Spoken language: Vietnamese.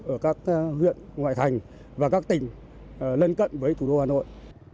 ở các huyện ngoại thành và các tỉnh lân cận với thủ đô hà nội